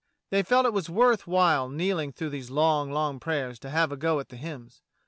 They felt it was worth while kneeling through those long, long prayers to have a go at the hymns.